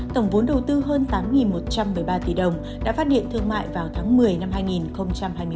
tổng vốn đầu tư hơn tám một trăm một mươi ba tỷ đồng đã phát điện thương mại vào tháng một mươi năm hai nghìn hai mươi bốn